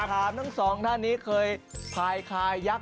ถามทั้งสองท่านนี้เคยพายคายักษ